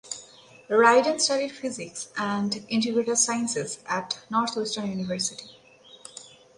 Ryden studied physics and integrated sciences at Northwestern University.